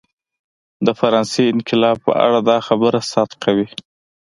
د فرانسې انقلاب په اړه دا خبره صدق کوي.